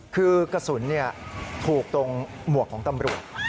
คือกระสุนถูกตรงหมวกของตำรวจ